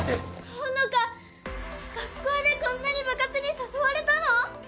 ホノカ学校でこんなに部活に誘われたの？